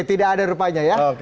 tidak ada rupanya ya